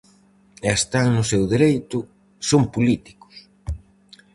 E están no seu dereito, son políticos!